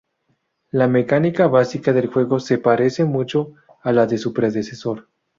La mecánica básica del juego se parece mucho a la de su predecesor.